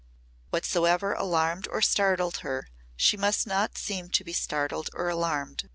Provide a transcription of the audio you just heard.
Whatsoever alarmed or startled her, she must not seem to be startled or alarmed.